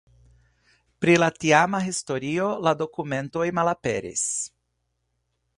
Pri la tiama historio la dokumentoj malaperis.